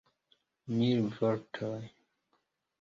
Mil vortoj!